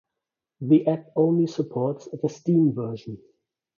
This app only supports the Steam version.